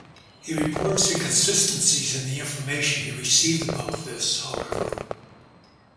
He reports inconsistencies in the information he received about this, however.